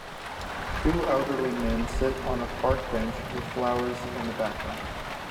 Two elderly men sit on a park bench, with flowers in the background.